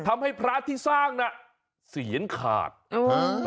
ทำให้พระที่สร้างน่ะเสียนขาดเออ